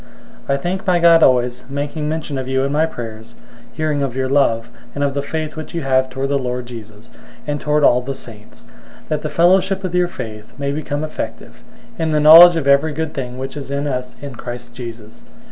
001:004 I thank my God always, making mention of you in my prayers, 001:005 hearing of your love, and of the faith which you have toward the Lord Jesus, and toward all the saints; 001:006 that the fellowship of your faith may become effective, in the knowledge of every good thing which is in us in Christ Jesus.